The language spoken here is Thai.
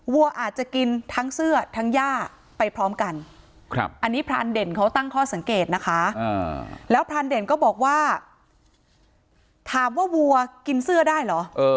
วัวอาจจะกินทั้งเสื้อทั้งย่าไปพร้อมกันอันนี้พรานเด่นเขาตั้งข้อสังเกตนะคะแล้วพรานเด่นก็บอกว่าถามว่าวัวกินเสื้อได้เหรอ